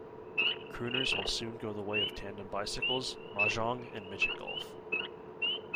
Crooners will soon go the way of tandem bicycles, mah jongg and midget golf.